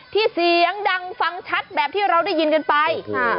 ที่เสียงดังฟังชัดแบบที่เราได้ยินไป